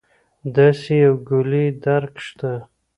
داسې یو کُلي درک شته.